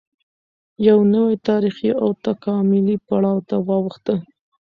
یوه نوې تارېخي او تکاملي پړاو ته واوښته